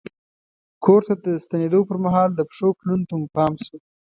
کور ته د ستنېدو پر مهال د پښو پلونو ته مو پام شو.